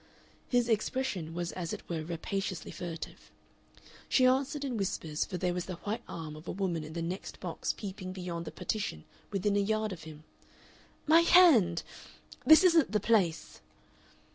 His expression was as it were rapaciously furtive. She answered in whispers, for there was the white arm of a woman in the next box peeping beyond the partition within a yard of him. "My hand! This isn't the place."